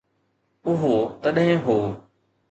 اهو تڏهن هو.